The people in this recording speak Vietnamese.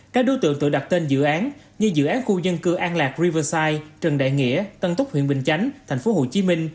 các đối tượng tự đặt tên dự án như dự án khu dân cư an lạc riverside trần đại nghĩa tân túc huyện bình chánh tp hcm